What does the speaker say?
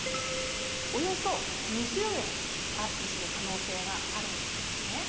およそ２０円アップする可能性があるんですね。